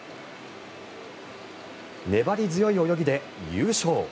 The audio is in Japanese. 粘り強い泳ぎで優勝。